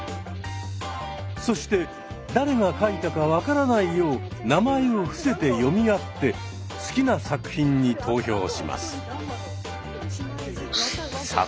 そして誰が書いたか分からないよう名前を伏せて詠み合って好きな作品に投票します。